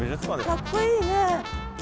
かっこいいね。